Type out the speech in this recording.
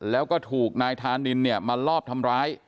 แล้วก็ถูกนายธานินเนี่ยมาลอบทำร้าย